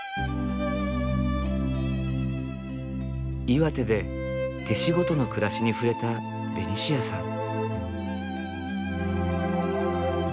岩手で手仕事の暮らしにふれたベニシアさん。